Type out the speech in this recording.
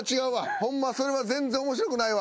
ホンマそれは全然面白くないわ。